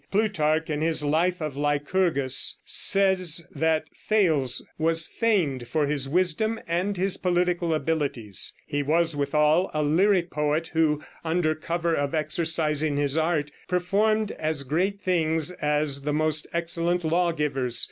Plutarch, in his "Life of Lycurgus," says that "Thales was famed for his wisdom and his political abilities; he was withal a lyric poet who, under cover of exercising his art, performed as great things as the most excellent lawgivers.